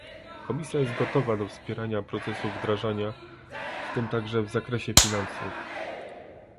Komisja jest gotowa do wspierania procesu wdrażania, w tym także w zakresie finansów